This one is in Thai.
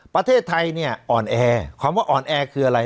ประเทศไทยเนี่ยอ่อนแอความว่าอ่อนแอคืออะไร